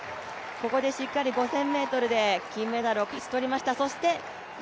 ここでしっかり５０００ｍで金メダルを勝ち取りました。